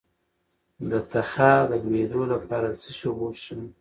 د تخه د لوییدو لپاره د څه شي اوبه وڅښم؟